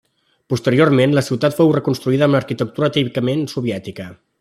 Posteriorment la ciutat fou reconstruïda amb arquitectura típicament soviètica.